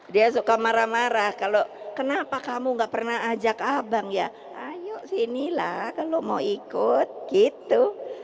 dia suka marah marah kalau kenapa kamu gak pernah ajak abang ya ayo sinilah kalau mau ikut gitu